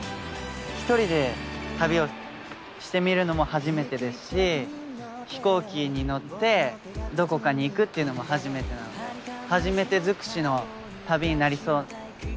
１人で旅をしてみるのも初めてですし飛行機に乗ってどこかに行くっていうのも初めてなので初めて尽くしの旅になりそう。